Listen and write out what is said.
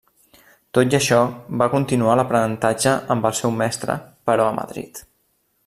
Tot i això, va continuar l'aprenentatge amb el seu mestre, però a Madrid.